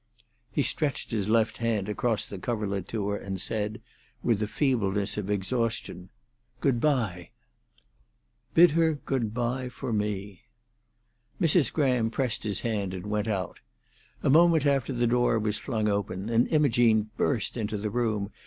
He stretched his left hand across the coverlet to her, and said, with the feebleness of exhaustion, "Good bye. Bid her good bye for me." Mrs. Graham pressed his hand and went out. A moment after the door was flung open, and Imogene burst into the room.